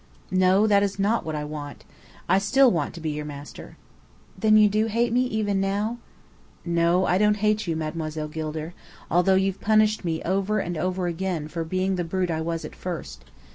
"No, that is not what I want. I still want to be your master." "Then you do hate me, even now?" "No, I don't hate you, Mademoiselle Gilder, although you've punished me over and over again for being the brute I was at first.